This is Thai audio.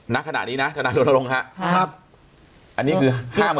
นะขณะนี้นะท่านครัวครับอันนี้คือ